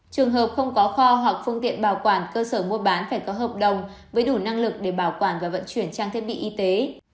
trường hợp không có kho hoặc phương tiện bảo quản cơ sở mua bán phải có hợp đồng với đủ năng lực để bảo quản và vận chuyển trang thiết bị y tế